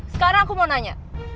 sekarang aku mau nanya